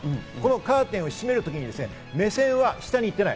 カーテンを閉めるときに目線は下に行ってない。